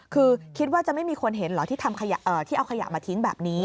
คือคิดว่าจะไม่มีคนเห็นเหรอที่เอาขยะมาทิ้งแบบนี้